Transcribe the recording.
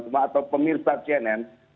semua atau pemirsa cnn